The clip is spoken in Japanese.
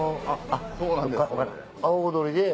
あっそうなんです。